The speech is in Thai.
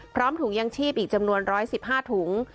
ถุงยังชีพอีกจำนวน๑๑๕ถุง